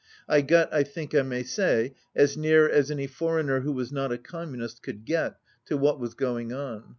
I got, I think I may say, as near as any foreigner who was not a Communist could get to what was going on.